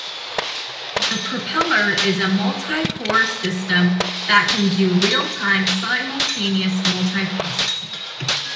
The Propeller is a multicore system that can do real-time simultaneous multiprocessing.